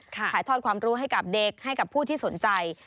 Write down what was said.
ถ่ายทอดความรู้ให้กับเด็กให้กับผู้ที่สนใจ